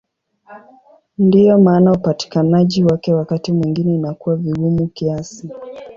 Ndiyo maana upatikanaji wake wakati mwingine inakuwa vigumu kiasi.